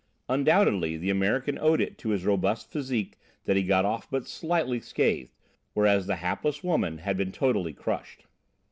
Undoubtedly the American owed it to his robust physique that he got off but slightly scathed, whereas the hapless woman had been totally crushed.